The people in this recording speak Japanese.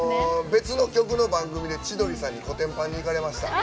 別の局の番組で千鳥さんにこてんぱんにいかれました。